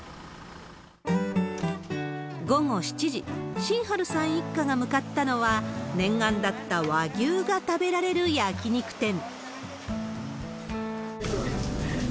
午後７時、シンハルさん一家が向かったのは、念願だった和牛が食べられる焼き肉店。